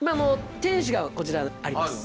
天守がこちらあります。